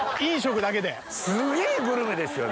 すげぇグルメですよね。